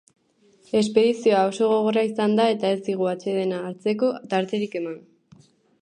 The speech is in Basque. Espedizioa oso gogorra izan da eta ez digu atsedena hartzeko tarterik eman.